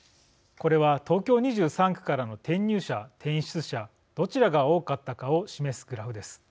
これは東京２３区からの転入者、転出者、どちらが多かったかを示すグラフです。